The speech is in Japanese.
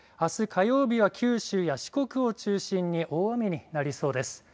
火曜日は九州や四国を中心に大雨になりそうです。